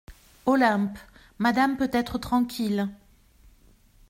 Olympe Madame peut être tranquille.